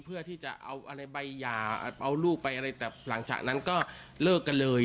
เพื่อที่จะเอาอะไรใบหย่าเอาลูกไปอะไรแต่หลังจากนั้นก็เลิกกันเลย